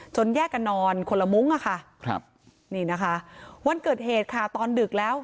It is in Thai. แยกกันนอนคนละมุ้งอะค่ะครับนี่นะคะวันเกิดเหตุค่ะตอนดึกแล้ว